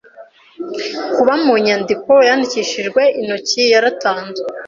kuba mu nyandiko yandikishijwe intoki yaratanzwe